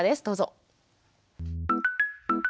どうぞ。